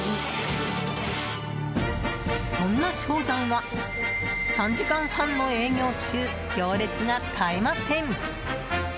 そんな賞讃は３時間半の営業中行列が絶えません。